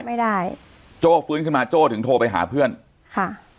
ไม่ได้โจ้ฟื้นขึ้นมาโจ้ถึงโทรไปหาเพื่อนค่ะ